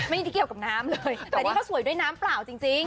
ไม่ได้เกี่ยวกับน้ำเลยแต่นี่เขาสวยด้วยน้ำเปล่าจริง